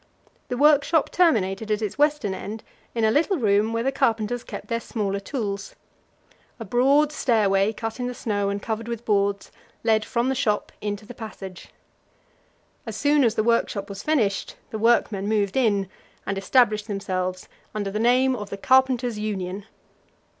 The workshop terminated at its western end in a little room, where the carpenters kept their smaller tools. A broad stairway, cut in the snow and covered with boards, led from the shop into the passage. As soon as the workshop was finished, the workmen moved in, and established themselves under the name of the Carpenters' Union.